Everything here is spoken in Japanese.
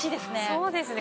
そうですね。